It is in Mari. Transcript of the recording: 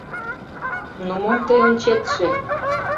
— Но мом тый ончетше?